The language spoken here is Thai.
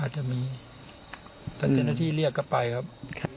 อาจจะมีอืมทันเจนที่เรียกกลับไปครับครับ